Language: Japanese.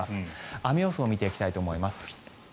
雨予想を見ていきたいと思います。